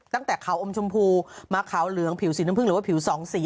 ตั้งแต่ขาวอมชมพูมาขาวเหลืองผิวสีน้ำพึ่งหรือว่าผิวสองสี